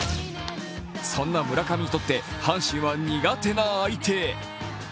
そんな村上にとって阪神は苦手な相手。